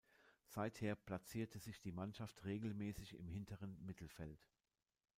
Seither platzierte sich die Mannschaft regelmäßig im hinteren Mittelfeld.